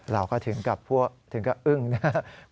เราก็ถึงกับถึงก็อึ้งนะครับ